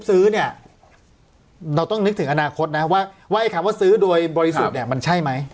เราต้องนึกถึงอนาคตนะว่าไอ้ครับว่าซื้อโดยบริสุทธิ์แดกมันใช่ไหม